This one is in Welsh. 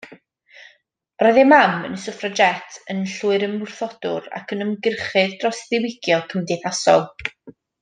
Roedd ei mam yn swffragét, yn llwyrymwrthodwr ac yn ymgyrchydd dros ddiwygio cymdeithasol.